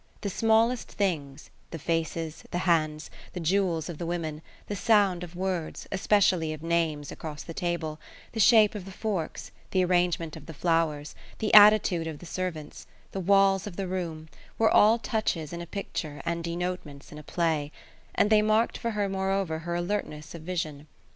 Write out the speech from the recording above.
The smallest things, the faces, the hands, the jewels of the women, the sound of words, especially of names, across the table, the shape of the forks, the arrangement of the flowers, the attitude of the servants, the walls of the room, were all touches in a picture and denotements in a play; and they marked for her moreover her alertness of vision.